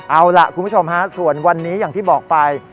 เอาล่ะคุณผู้ชมฮะส่วนวันนี้อย่างที่บอกไป